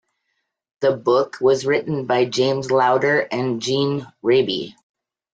The book was written by James Lowder and Jean Rabe.